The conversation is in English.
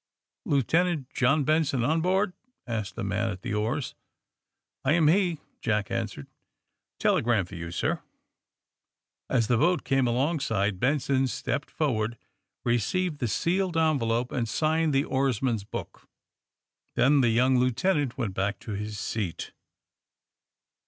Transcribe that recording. Lieutenant John Benson on board?" asked the man at the oars. '* I am he, '' Jack answered. Telegram for you, sir." As the boat came alongside Benson stepped forward, received the sealed envelope and signed the oarsman's book. Then the young lieutenant went back to his seat.